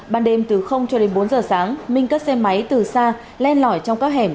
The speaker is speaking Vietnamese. ban đêm từ cho đến bốn giờ sáng minh cất xe máy từ xa len lỏi trong các hẻm